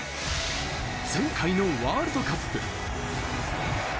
前回のワールドカップ。